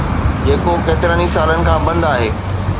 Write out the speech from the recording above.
جيڪو ڪيترن ئي سالن کان بند آهي